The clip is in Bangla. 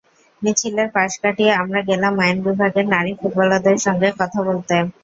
মিছিলের পাশ কাটিয়ে আমরা গেলাম আইন বিভাগের নারী ফুটবলারদের সঙ্গে কথা বলতে।